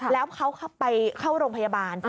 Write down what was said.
แล้วเขาไปเข้าโรงพยาบาล